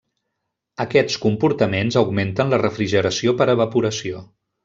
Aquests comportaments augmenten la refrigeració per evaporació.